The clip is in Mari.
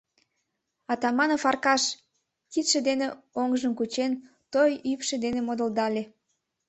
— Атаманов Аркаш! — кидше дене оҥжым кучыш, той ӱпшӧ дене модылдале.